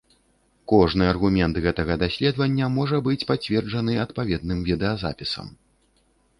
Кожны аргумент гэтага даследавання можа быць пацверджаны адпаведным відэазапісам.